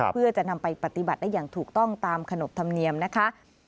เพื่อจะนำไปปฏิบัติได้อย่างถูกต้องตามขนบธรรมเนียมนะคะ